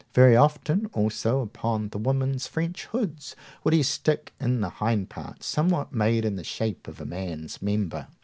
Very often, also, upon the women's French hoods would he stick in the hind part somewhat made in the shape of a man's member.